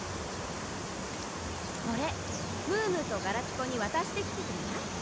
これムームーとガラピコにわたしてきてくれない？